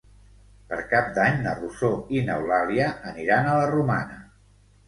Per Cap d'Any na Rosó i n'Eulàlia aniran a la Romana.